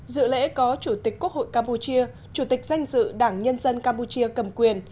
dự lễ có chủ tịch quốc hội campuchia chủ tịch danh dự đảng nhân dân campuchia cầm quyền